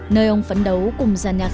nơi ông phấn đấu cùng giàn nhạc